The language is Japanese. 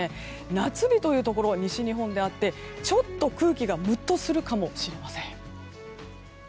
夏日というところ西日本であってちょっと空気がムッとするかもしれません。